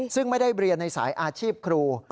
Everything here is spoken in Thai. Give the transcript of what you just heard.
ซึ่งไม่ได้เรียนในสายอาชีพครู